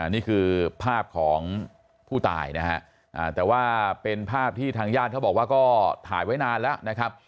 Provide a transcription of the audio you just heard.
นี่คือภาพของผู้ตายนะฮะแต่ว่าเป็นภาพที่ทางญาติเขาบอกว่าก็ถ่ายไว้นานแล้วนะครับ